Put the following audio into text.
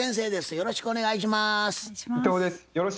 よろしくお願いします。